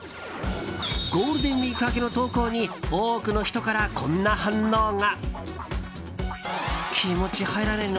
ゴールデンウィーク明けの投稿に多くの人から、こんな反応が。